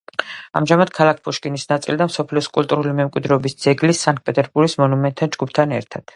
ამჟამად ქალაქ პუშკინის ნაწილი და მსოფლიოს კულტურული მემკვიდრეობის ძეგლი სანქტ-პეტერბურგის მონუმენტთა ჯგუფთან ერთად.